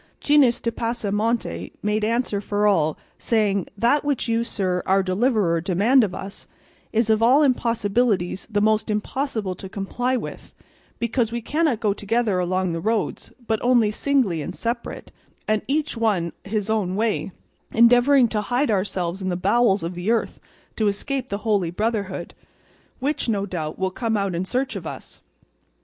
Gines de Pasamonte made answer for all, saying, "That which you, sir, our deliverer, demand of us, is of all impossibilities the most impossible to comply with, because we cannot go together along the roads, but only singly and separate, and each one his own way, endeavouring to hide ourselves in the bowels of the earth to escape the Holy Brotherhood, which, no doubt, will come out in search of us.